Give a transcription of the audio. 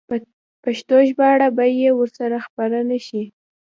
پښتو ژباړه به یې وروسته خپره شي.